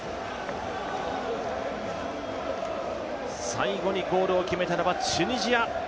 最後にゴールを決めたのはチュニジア。